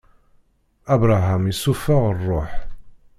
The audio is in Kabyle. Abṛaham issufeɣ ṛṛuḥ.